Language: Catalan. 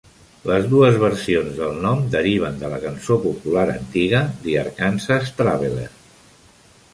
Les dues versions del nom deriven de la cançó popular antiga "The Arkansas Traveller".